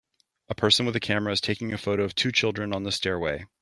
A person with a camera is taking a photo of two children on the stairway.